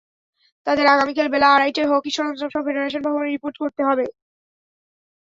তাঁদের আগামীকাল বেলা আড়াইটায় হকি সরঞ্জামসহ ফেডারেশন ভবনে রিপোর্ট করতে হবে।